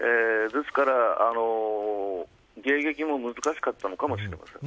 ですから、迎撃も難しかったのかもしれませんね。